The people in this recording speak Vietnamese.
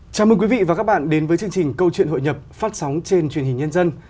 chào mừng quý vị và các bạn đến với chương trình câu chuyện hội nhập phát sóng trên truyền hình nhân dân